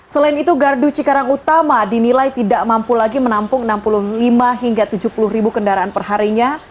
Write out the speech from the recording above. selain itu gardu cikarang utama dinilai tidak mampu lagi menampung enam puluh lima hingga tujuh puluh ribu kendaraan perharinya